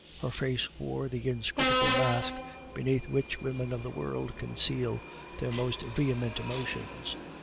Her face wore the inscrutable mask beneath which women of the world conceal their most vehement emotions.